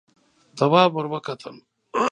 تواب ور وکتل.